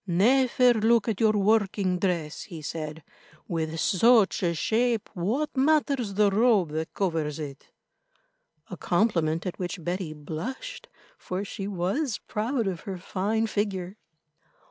"Never look at your working dress," he said. "With such a shape, what matters the robe that covers it?"—a compliment at which Betty blushed, for she was proud of her fine figure.